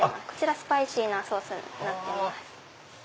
スパイシーなソースになってます。